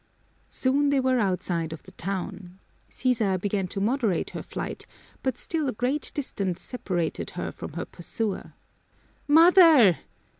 Soon they were outside of the town. Sisa began to moderate her flight, but still a great distance separated her from her pursuer. "Mother!"